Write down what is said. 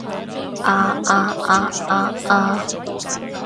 啊啊啊啊啊